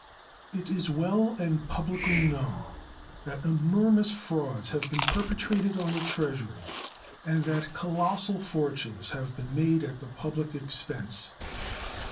It is well and publicly known that enormous frauds have been perpetrated on the Treasury and that colossal fortunes have been made at the public expense.